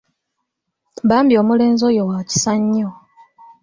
Bambi omulenzi oyo wakisa nnyo.